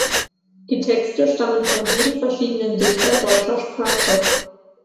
Die Texte stammen von sieben verschiedenen Dichtern deutscher Sprache.